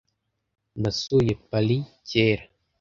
Nasuye Paris kera .